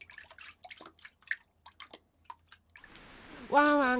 ワンワン